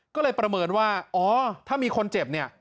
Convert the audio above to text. ก็เลยประเมินว่าอ๋อถ้ามีคนเจ็บเนี่ย